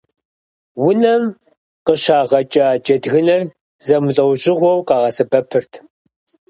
Унэм къыщагъэкӏа джэдгыныр зэмылӏэужьыгъуэу къагъэсэбэпырт.